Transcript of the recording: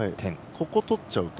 ここ、とっちゃうと。